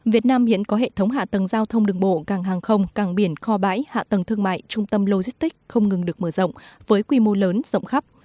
việt nam hiện có hệ thống hạ tầng giao thông đường bộ càng hàng không càng biển kho bãi hạ tầng thương mại trung tâm logistics không ngừng được mở rộng với quy mô lớn rộng khắp